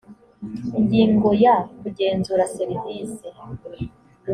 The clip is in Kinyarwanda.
ingingo ya kugenzura serivise